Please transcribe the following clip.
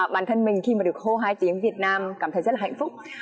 bản thân mình khi mà được khô hai tiếng việt nam cảm thấy rất là hạnh phúc